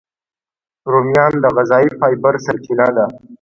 رومیان د غذایي فایبر سرچینه ده